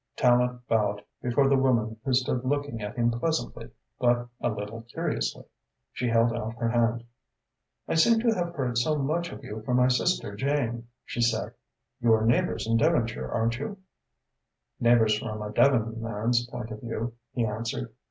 Tallente bowed before the woman who stood looking at him pleasantly, but a little curiously. She held out her hand. "I seem to have heard so much of you from my sister Jane," she said. "You are neighbours in Devonshire, aren't you?" "Neighbours from a Devon man's point of view," he answered.